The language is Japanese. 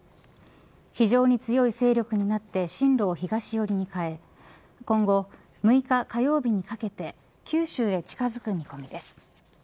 非常に強い勢力になって進路を東寄りに変え今後、６日、火曜日にかけて九州へ近づく見込みです。